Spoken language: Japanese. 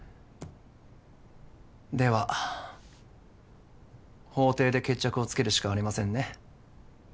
では法廷で決着をつけるしかありませんね